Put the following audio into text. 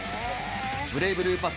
ブレイブルーパス